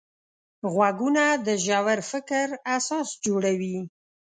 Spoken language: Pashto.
غوږونه د ژور فکر اساس جوړوي